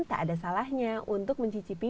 tak ada salahnya untuk mencicipi